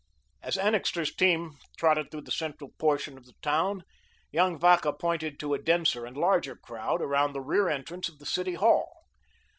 As Annixter's team trotted through the central portion of the town, young Vacca pointed to a denser and larger crowd around the rear entrance of the City Hall.